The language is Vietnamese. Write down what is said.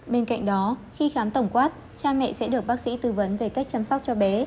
bên cạnh đó khi khám tổng quát cha mẹ sẽ được bác sĩ tư vấn về cách chăm sóc cho bé